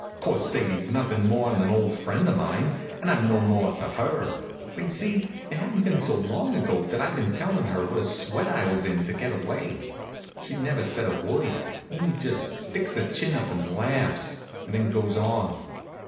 'Course, Sadie's nothin' more'n an old friend of mine, and I'm no more to her, but you see it hadn't been so long ago that I'd been tellin' her what a sweat I was in to get away. She never said a word, only just sticks her chin up and laughs, and then goes on.